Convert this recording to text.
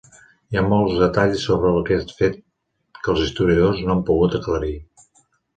Hi ha molts detalls sobre aquest fet que els historiadors no han pogut aclarir.